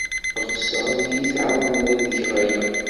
Ɣseɣ ad iyi-tɛawned ad geɣ aya.